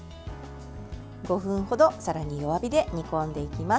５分程、さらに弱火で煮込んでいきます。